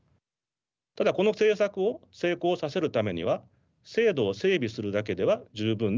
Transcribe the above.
ただこの政策を成功させるためには制度を整備するだけでは十分でありません。